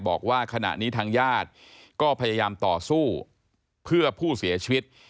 บอกว่าขณะนี้ทางญาติก็พยายามต่อสู้เพื่อผู้เสียชีวิต